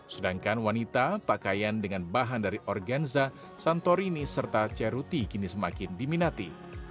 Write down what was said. sedangkan wanita pakaian dengan bahan dari organza santorini serta ceruti kini semakin diminati